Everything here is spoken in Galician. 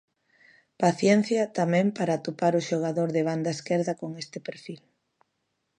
Paciencia tamén para atopar o xogador de banda esquerda con este perfil.